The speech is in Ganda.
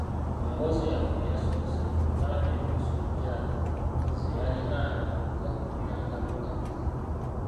Mu mboozi yaffe eyasoose, twalabye empisa omukyala ze yalinanga okwekuumirangamu nga muzito.